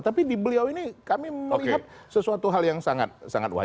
tapi di beliau ini kami melihat sesuatu hal yang sangat wajar